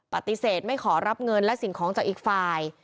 ปฏิเสธไม่ขอรับเงินและสิ่งของจากอีกฝ่าย